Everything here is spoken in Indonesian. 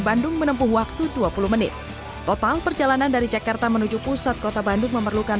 bandung menempuh waktu dua puluh menit total perjalanan dari jakarta menuju pusat kota bandung memerlukan